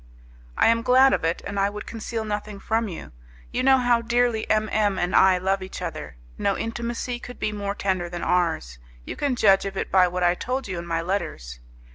"I am glad of it, and I would conceal nothing from you. You know how dearly M M and I love each other. No intimacy could be more tender than ours; you can judge of it by what I told you in my letters.